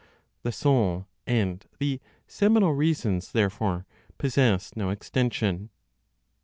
The soul and the (seminal) reasons therefore possess no extension.